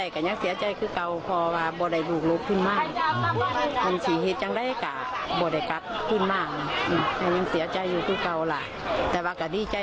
๑กันยายน๒๕๖๓